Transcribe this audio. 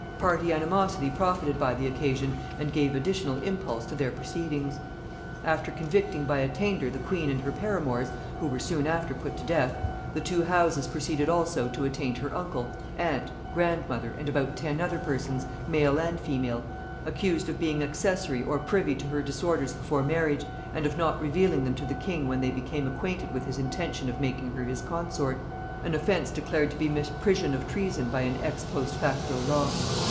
Party animosity profited by the occasion and gave additional impulse to their proceedings. After convicting by attainder the queen and her paramours, who were soon after put to death, the two houses proceeded also to attaint her uncle, aunt, grandmother, and about ten other persons, male and female, accused of being accessary or privy to her disorders before marriage, and of not revealing them to the king when they became acquainted with his intention of making her his consort; an offence declared to be misprision of treason by an ex post facto law.